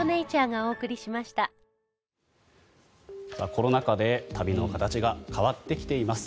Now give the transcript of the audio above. コロナ禍で旅の形が変わってきています。